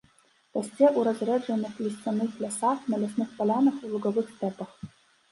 Расце ў разрэджаных лісцяных лясах, на лясных палянах, у лугавых стэпах.